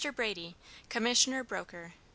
BRADY, _Commission Broker, No.